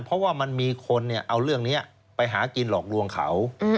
เพราะว่ามันมีคนเอาเรื่องนี้ไปหากินหลอกลวงเขา